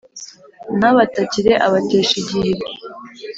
ntabatakire abatesha igihe